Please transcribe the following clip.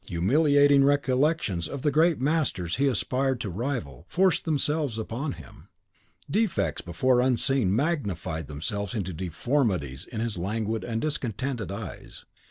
Humiliating recollections of the great masters he aspired to rival forced themselves upon him; defects before unseen magnified themselves to deformities in his languid and discontented eyes.